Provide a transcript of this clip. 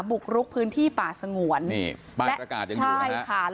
บุ๊กรุกพื้นที่ป่าสงวน